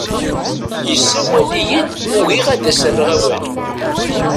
Yessawel-iyi-d, ugiɣ ad as-rreɣ awal.